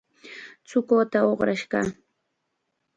Chukuta uqrash kaa.